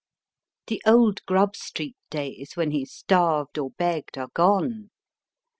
The old Grub Street days when he starved or begged are gone.